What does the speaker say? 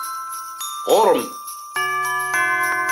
Ɣur-m!